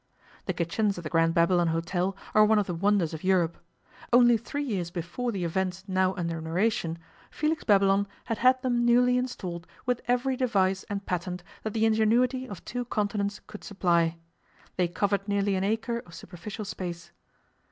The kitchens of the Grand Babylon Hôtel are one of the wonders of Europe. Only three years before the events now under narration Felix Babylon had had them newly installed with every device and patent that the ingenuity of two continents could supply. They covered nearly an acre of superficial space.